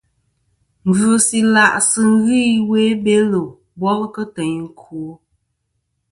Ngvɨsɨ ila' sɨ ghɨ ɨwe i Belo bol kɨ teyn ɨkwo.